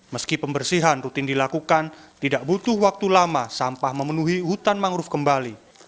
meski pembersihan rutin dilakukan tidak butuh waktu lama sampah memenuhi hutan mangrove kembali